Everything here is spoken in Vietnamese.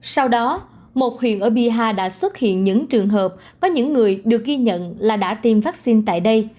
sau đó một huyện ở bihar đã xuất hiện những trường hợp có những người được ghi nhận là đã tiêm vaccine tại đây